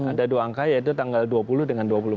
ada dua angka yaitu tanggal dua puluh dengan dua puluh empat